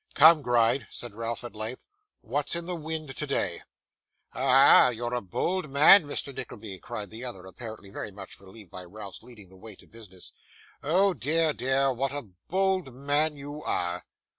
'Come, Gride,' said Ralph, at length; 'what's in the wind today?' 'Aha! you're a bold man, Mr. Nickleby,' cried the other, apparently very much relieved by Ralph's leading the way to business. 'Oh dear, dear, what a bold man you are!